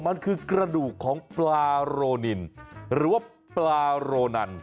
มันคือกระดูกของปลาโรนินหรือว่าปลาโรนัน